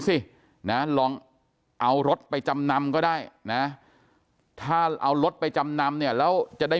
สินะลองเอารถไปจำนำก็ได้นะถ้าเอารถไปจำนำเนี่ยแล้วจะได้